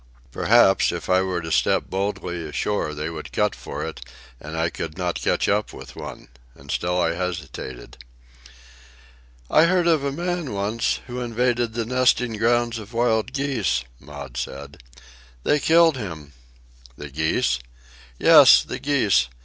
"Perhaps, if I were to step boldly ashore, they would cut for it, and I could not catch up with one." And still I hesitated. "I heard of a man, once, who invaded the nesting grounds of wild geese," Maud said. "They killed him." "The geese?" "Yes, the geese.